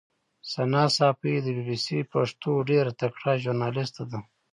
ثنا ساپۍ د بي بي سي پښتو ډېره تکړه ژورنالیسټه ده.